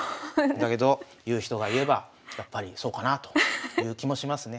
だけど言う人が言えばやっぱりそうかなあという気もしますね。